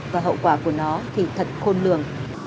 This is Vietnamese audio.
và hậu quả của nó thì thật khôn lường